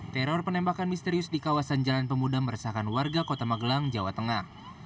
teror penembakan misterius di kawasan jalan pemuda meresahkan warga kota magelang jawa tengah